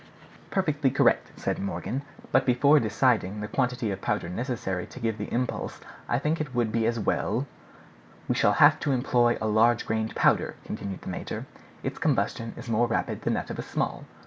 "Perfectly correct," said Morgan; "but before deciding the quantity of powder necessary to give the impulse, I think it would be as well—" "We shall have to employ a large grained powder," continued the major; "its combustion is more rapid than that of the small."